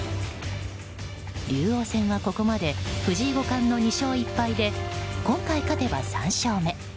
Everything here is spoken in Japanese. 竜王戦はここまで藤井五冠の２勝１敗で今回勝てば３勝目。